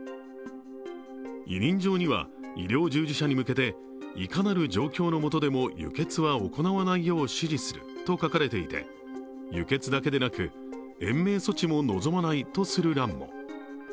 委任状には医療従事者に向けていかなる状況のもとでも輸血は行わないよう指示すると書かれていて、輸血だけでなく、「延命措置も望まない」とする欄も。